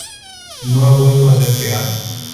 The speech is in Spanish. No ha vuelto a ser creado.